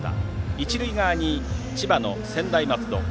一塁側に千葉の専大松戸。